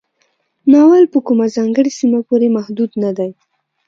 ناول په کومه ځانګړې سیمه پورې محدود نه دی.